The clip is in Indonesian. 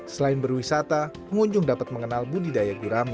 selain berwisata pengunjung dapat mengenal budidaya gurami